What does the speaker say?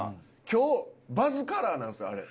今日バズカラーなんですよあれ。